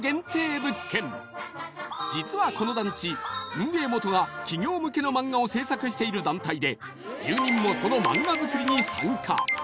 実はこの団地運営元が企業向けの漫画を制作している団体で住人もその漫画作りに参加